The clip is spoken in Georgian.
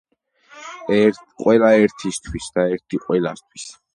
ყველა ერთისთვის და ერთი ყველასთის